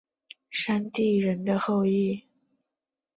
山地人的后裔。